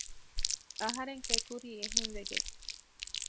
އަހަރެން ކެތް ކުރީ އެހެންވެގެން